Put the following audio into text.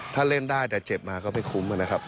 ถ้าเล่นได้แต่เจ็บมาก็ไม่คุ้มนะครับ